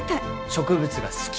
植物が好き